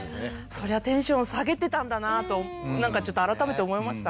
そりゃテンション下げてたんだなとなんかちょっと改めて思いました。